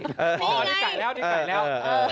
อ๋อนี่ไก่แล้วนี่ไก่แล้ว